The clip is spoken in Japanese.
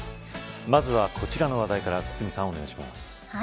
まずは、こちらの話題から堤さんお願いします。